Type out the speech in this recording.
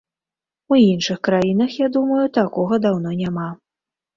У іншых краінах, я думаю, такога даўно няма.